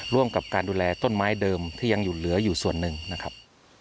ร่วมกับการดูแลต้นไม้เดิมที่ยังอยู่เหลืออยู่ส่วนหนึ่งนะครับ